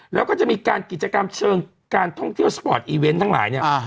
แล้วก็จะมีการกิจกรรมเชิงการท่องเที่ยวสปอร์ตอีเวนต์ทั้งหลายเนี่ย